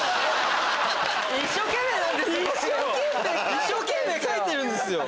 一生懸命描いてるんです！